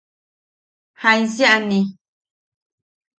¡Jaisiʼani!